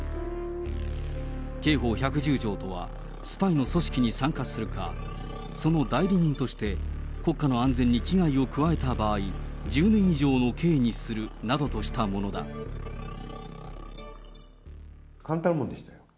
刑法１１０条とは、スパイの組織に参加するか、その代理人として、国家の安全に危害を加えた場合、１０年以上の刑にするなどとした簡単なものでしたよ。